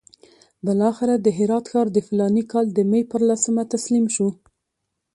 بالاخره د هرات ښار د فلاني کال د مې پر لسمه تسلیم شو.